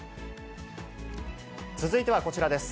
続いてはこちらです。